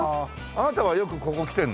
あなたはよくここ来てるの？